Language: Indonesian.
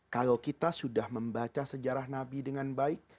kalau kita sudah membaca sejarah nabi dengan baik